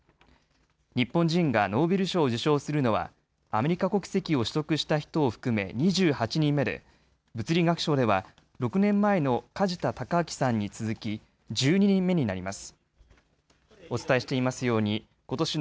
日本人がノーベル賞を受賞するのはアメリカ国籍を取得した人を含め２８人目で物理学賞では６年前の梶田隆章さんに続き１２人目になります。